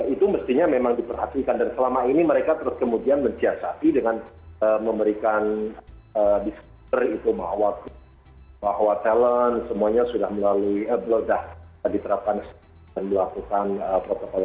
itu mestinya memang diperhatikan dan selama ini mereka terus kemudian menjiasati dengan memberikan distri itu bahwa talent semuanya sudah melalui blodah diterapkan dan melakukan protokol